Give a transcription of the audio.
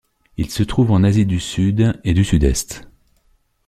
Il se trouve en Asie du Sud et du Sud-Est.